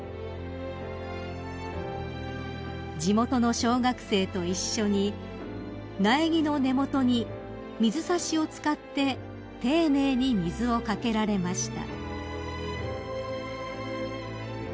［地元の小学生と一緒に苗木の根元に水差しを使って丁寧に水を掛けられました］